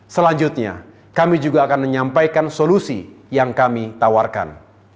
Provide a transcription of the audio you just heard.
selanjutnya kami juga akan menyampaikan solusi yang kami tawarkan